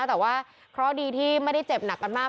แต่ว่าเคราะห์ดีที่ไม่ได้เจ็บหนักกันมาก